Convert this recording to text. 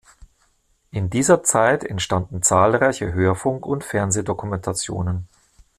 In dieser Zeit entstanden zahlreiche Hörfunk- und Fernsehdokumentationen.